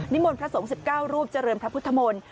มนต์พระสงฆ์๑๙รูปเจริญพระพุทธมนต์